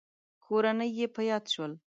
کورنۍ يې په ياد شول.